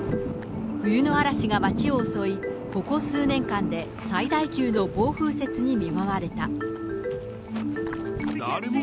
冬の嵐が街を襲い、ここ数年間で最大級の暴風雪に見舞われた。